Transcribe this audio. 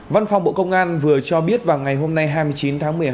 văn phòng bộ công an vừa cho biết vào ngày hôm nay hai mươi chín tháng một mươi hai